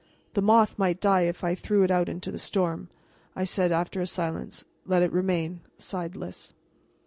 "The moth might die if I threw it out into the storm," I said after a silence. "Let it remain," sighed Lys.